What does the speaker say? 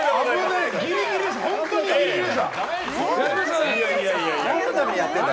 ギリギリでした。